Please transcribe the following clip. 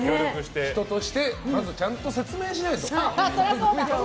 人としてまずちゃんと説明しないと。